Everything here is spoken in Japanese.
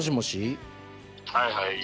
「はいはい」